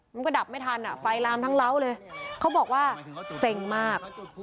มันก็ดับไม่ทันอ่ะไฟลามทั้งเล้าเลยเขาบอกว่าเซ็งมาก